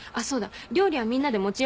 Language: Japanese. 料理はみんなで持ち寄ろうって。